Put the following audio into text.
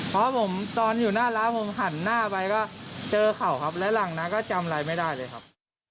เพราะผมตอนอยู่หน้าร้านผมหันหน้าไปก็เจอเขาครับแล้วหลังนั้นก็จำอะไรไม่ได้เลยครับ